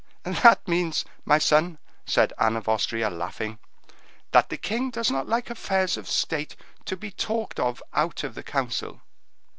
"That means, my son," said Anne of Austria, laughing, "that the king does not like affairs of state to be talked of out of the council."